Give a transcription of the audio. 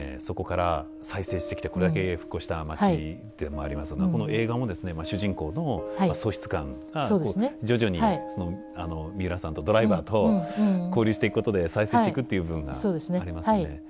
そこから再生してきてこれだけ復興した街というのもありますがこの映画もですね主人公の喪失感が徐々に三浦さんとドライバーと交流していくことで再生していくっていう部分がありますよね。